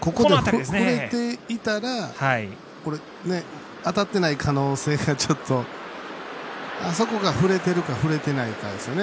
触れていたら当たっていない可能性がちょっとそこが触れてるか触れてないかですね。